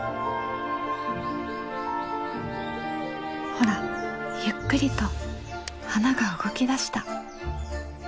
ほらゆっくりと花が動き出した。